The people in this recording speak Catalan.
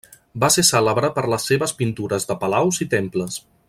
Va ser cèlebre per les seves pintures de palaus i temples.